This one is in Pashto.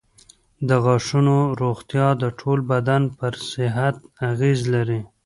د غاښونو روغتیا د ټول بدن پر صحت اغېز لري.